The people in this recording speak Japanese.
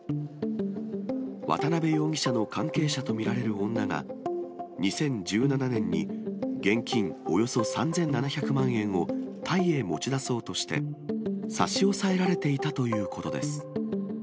渡辺容疑者の関係者と見られる女が、２０１７年に現金およそ３７００万円をタイへ持ち出そうとして、差し押さえられていたということです。